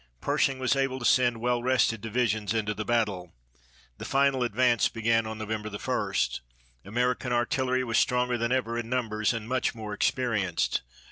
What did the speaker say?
Pershing was able to send well rested divisions into the battle. The final advance began on November 1. American artillery was stronger than ever in numbers and much more experienced.